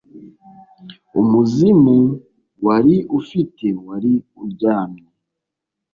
umuzimu wari ufite wari uryamye